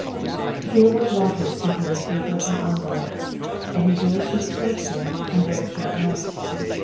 Here were blotters containing paper and envelopes, and he drew a sheet towards him and wrote a short note.